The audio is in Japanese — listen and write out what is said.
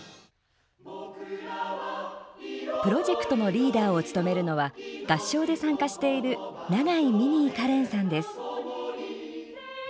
プロジェクトのリーダーを務めるのは合唱で参加している長井ミニー夏蓮さんです。